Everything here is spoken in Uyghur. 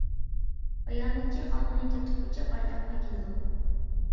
باياناتچى قانۇنىي تەرتىپ بويىچە بارلىققا كېلىدۇ.